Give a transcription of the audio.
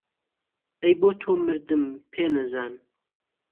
ئهی بۆ تۆ مردم پێنهزان